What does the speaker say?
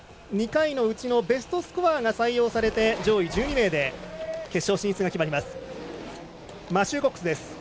２回のうちのベストスコアが採用されて上位１２名で決勝進出が決まります。